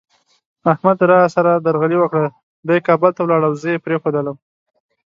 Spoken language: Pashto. احمد را سره درغلي وکړه، دی کابل ته ولاړ او زه یې پرېښودلم.